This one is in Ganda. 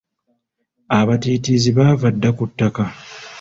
Abatiitiizi baava dda ku ttaka.